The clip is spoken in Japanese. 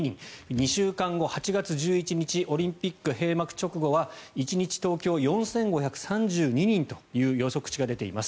２週間後、８月１１日オリンピック閉幕直後は１日、東京４５３２人という予測値が出ています。